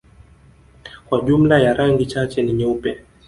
kwa jumla ya rangi chache ni nyeupe